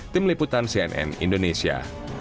tim liputan cnn indonesia